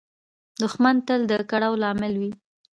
دښمن تل د کړاو لامل وي